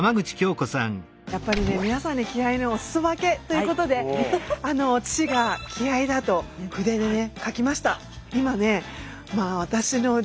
やっぱりね皆さんに気合いのお裾分けということで父が「気合いだー！」と筆でね書きました。